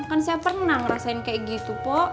kan saya pernah ngerasain kayak gitu po